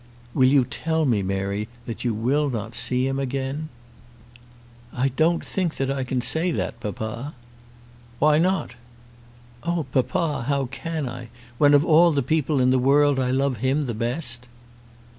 "Will you tell me, Mary, that you will not see him again?" "I don't think that I can say that, papa." "Why not?" "Oh papa, how can I, when of all the people in the world I love him the best?"